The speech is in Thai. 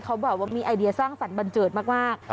เขาบอกว่ามีไอเดียสร้างฝันบันเจิดมาก